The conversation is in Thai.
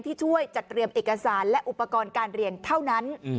ที่ช่วยจัดเตรียมเอกสารและอุปกรณ์การเรียนเท่านั้น